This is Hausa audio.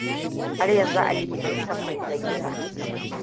Har yanzu Aliyu bai san me zai yi ba.